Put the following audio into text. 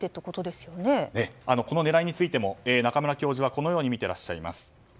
この狙いについても中村教授はこのようにみていらっしゃいます。